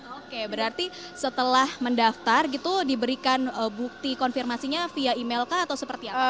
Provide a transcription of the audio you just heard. oke berarti setelah mendaftar gitu diberikan bukti konfirmasinya via email kah atau seperti apa